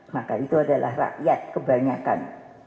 maka itu adalah rakyat kebanyakan